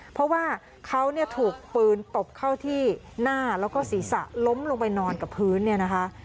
เพราะว่าเขาเนี่ยถูกปืนตบเข้าที่หน้าแล้วก็ศีรษะล้มลงไปนอนกับพื้นเนี่ยนะคะ